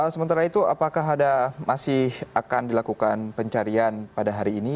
sementara itu apakah ada masih akan dilakukan pencarian pada hari ini